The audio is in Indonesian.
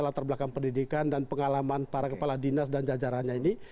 latar belakang pendidikan dan pengalaman para kepala dinas dan jajarannya ini